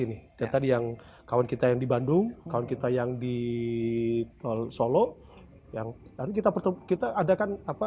ini tidak yang kawan kita yang di bandung kamu kita yang diteloi solo yang kita itu kita adakan apa